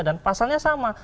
dan pasalnya sama